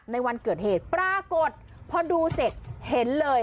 ในวันเกิดเหตุปรากฏพอดูเสร็จเห็นเลย